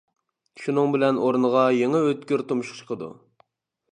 شۇنىڭ بىلەن ئورنىغا يېڭى ئۆتكۈر تۇمشۇق چىقىدۇ.